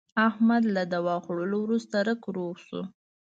احمد له دوا خوړلو ورسته رک روغ شو.